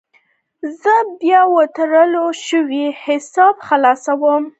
زه بیا وتړل شوی حساب خلاصوم.